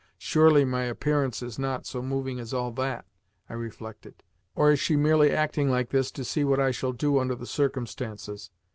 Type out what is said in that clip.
"Surely my appearance is not so moving as all that?" I reflected. "Or is she merely acting like this to see what I shall do under the circumstances?"